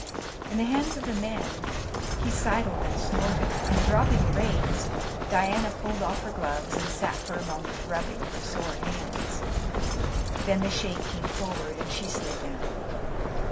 In the hands of the men he sidled and snorted, and, dropping the reins, Diana pulled off her gloves and sat for a moment rubbing her sore hands. Then the Sheik came forward and she slid down.